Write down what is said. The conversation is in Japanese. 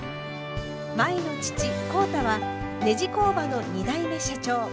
舞の父浩太はネジ工場の２代目社長。